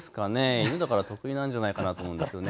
犬だから得意なんじゃないかなと思うんですよね。